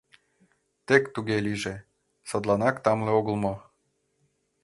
Тек туге лийже: садланак тамле огыл мо?